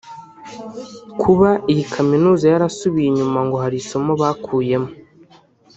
Kuba iyi Kaminuza yarasubiye inyuma ngo hari isomo bakuyemo